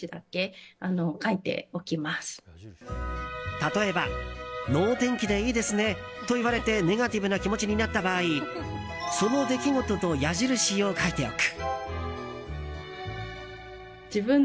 例えば能天気でいいですねと言われてネガティブな気持ちになった場合その出来事と矢印を書いておく。